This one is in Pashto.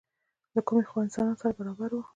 له کومې خوا انسانان سره برابر وو؟